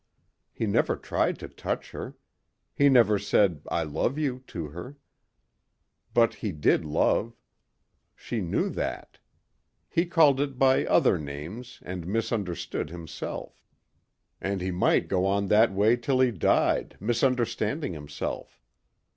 He never tried to touch her. He never said, "I love you," to her. But he did love. She knew that. He called it by other names and misunderstood himself. And he might go on that way till he died, misunderstanding himself.